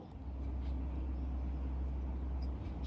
แล้ววันนั้นหนูร้องไห้ทำไมลูก